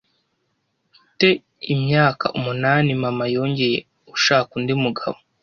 te imyaka umunani mama yongeye ushaka undi mugabo